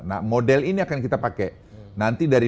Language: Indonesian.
nah model ini akan kita pakai